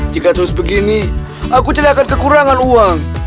jika terus begini aku tidak akan kekurangan uang